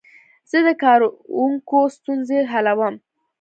زه د کاروونکو ستونزې حلوم.